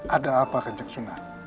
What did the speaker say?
ada apa kanjeng sunan